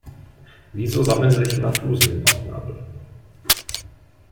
Wieso sammeln sich immer Flusen im Bauchnabel?